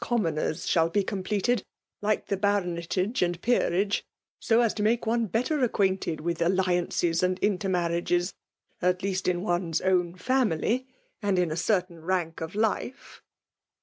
Commoners' shall be completed, like the. Baronetage and Peerage, so as to make one. bet£er ac quainted with alliances . and intermarriagMy FEMALE DOMXNATtOK. 25 teast in one's own family/ and in a certaiii ftunkoflife."